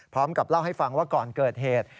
พร้อมกับเล่าให้ฟังว่าก่อนเกิดเหตุ